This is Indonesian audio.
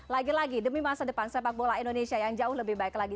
lagi lagi demi masa depan sepak bola indonesia yang jauh lebih baik lagi